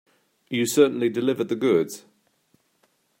You certainly delivered the goods.